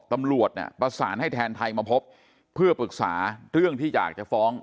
ตำรวจเนี่ยประสานให้แทนไทยมาพบเพื่อปรึกษาเรื่องที่อยากจะฟ้อง